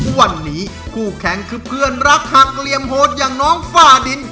วันนี้คู่แข่งคือเพื่อนรักหักเหลี่ยมโหดอย่างน้องฝ้าดิน